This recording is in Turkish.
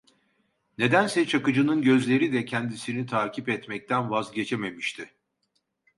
Nedense Çakıcı'nın gözleri de kendisini takip etmekten vazgeçememişti.